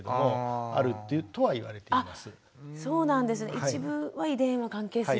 一部は遺伝は関係する？